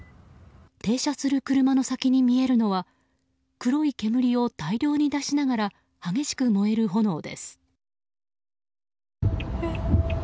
停車する車の先に見えるのは黒い煙を大量に出しながら激しく燃える炎です。